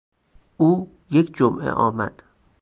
او یک جمعه آمد.